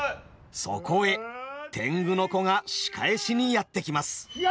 そこへ天狗の子が仕返しにやって来ます。